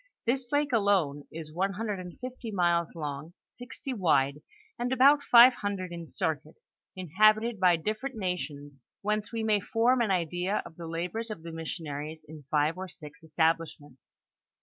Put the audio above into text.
This lake alone is one hundred and fifty miles long, sixty wide, and about five hundred in circuit, inhabited by different nations, whence we may form an idea of the la bors of the missionaries in five or six establishments.